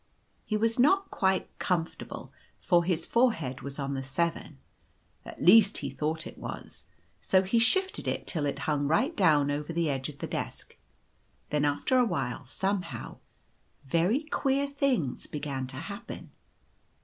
He was not quite comfortable, for his forehead was on the 7, at least he thought it was ; so he shifted it till it hung right down over the edge of the desk. Then, after a while, somehow, very queer things began to happen.